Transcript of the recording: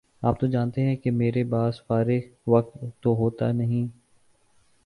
آپ تو جانتے ہیں کہ میرے باس فارغ وقت تو ہوتا نہیں